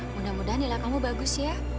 mudah mudahan nilai kamu bagus ya